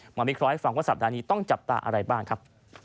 หม่อมิคร้อยฟังว่าสัปดาห์นี้ต้องจับตาอะไรบ้างครับ